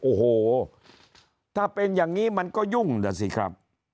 โอ้โหถ้าเป็นอย่างนี้มันก็ยุ่งนะสิครับ